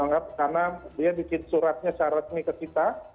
karena dia bikin suratnya secara resmi ke kita